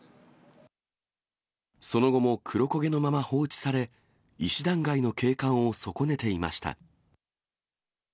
その後も黒焦げのまま放置され、石段街の景観を損ねていました。